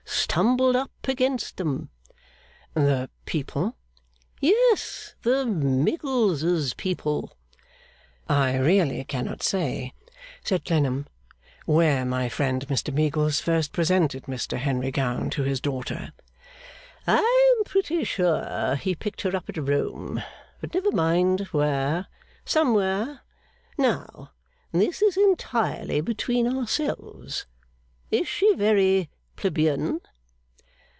Stumbled against them.' 'The people?' 'Yes. The Miggles people.' 'I really cannot say,' said Clennam, 'where my friend Mr Meagles first presented Mr Henry Gowan to his daughter.' 'I am pretty sure he picked her up at Rome; but never mind where somewhere. Now (this is entirely between ourselves), is she very plebeian?